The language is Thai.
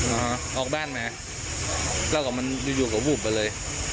อืมอ่าออกแบตมั้ยน่ะแล้วก็มันอยู่อยู่กับวูบไปเลย